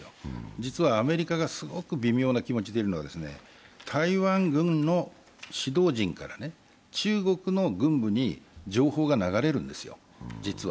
実はアメリカがすごく微妙な気持でいるのは台湾軍の指導陣から中国の軍部に情報が流れるんですよ、実は。